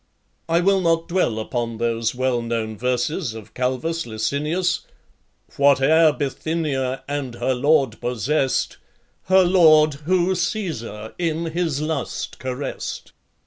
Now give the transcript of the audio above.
I will not dwell upon those well known verses of Calvus Licinius: Whate'er Bithynia and her lord possess'd, Her lord who Caesar in his lust caress'd.